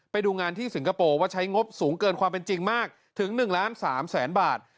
ไปดูงานที่สิงคโปร์ว่าใช้งบสูงเกินความเป็นจริงมากถึง๑ล้าน๓แสนบาท